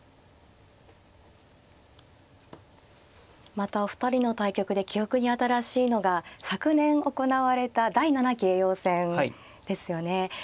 またお二人の対局で記憶に新しいのが昨年行われた第７期叡王戦ですよね。